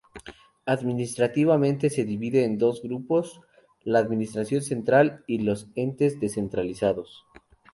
Administrativamente se divide en dos grandes grupos: La administración central y los entes descentralizados.